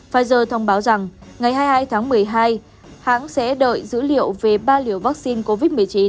pfizer thông báo rằng ngày hai mươi hai tháng một mươi hai hãng sẽ đợi dữ liệu về ba liều vaccine covid một mươi chín